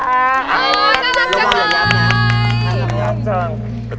อ๋อน่ารักจั๋งเลย